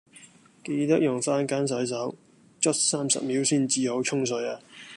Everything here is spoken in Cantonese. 記得用番梘洗手，捽三十秒先至好沖水呀